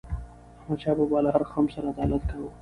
احمد شاه بابا له هر قوم سره عدالت کاوه.